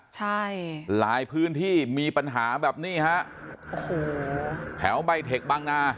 ใช่หลายพื้นที่มีปัญหาแบบนี้ฮะโอ้โหแถวใบเทคบางนา